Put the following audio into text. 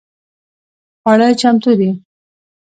خواړه چمتو دي؟